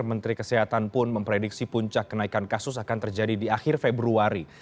menteri kesehatan pun memprediksi puncak kenaikan kasus akan terjadi di akhir februari